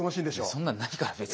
そんなのないから別に。